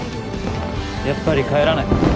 やっぱり帰らない。